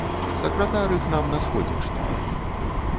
Сакратар іх нам на сходзе чытае.